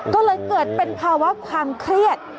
ก็เลยเกิดเป็นภาวะความเครียด